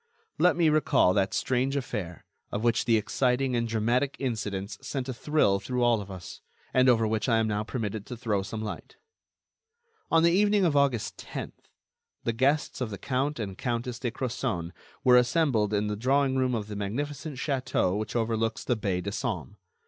Let me recall that strange affair, of which the exciting and dramatic incidents sent a thrill through all of us, and over which I am now permitted to throw some light. On the evening of August 10, the guests of the Count and Countess de Crozon were assembled in the drawing room of the magnificent château which overlooks the Bay de Somme.